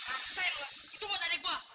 asyik itu buat adikku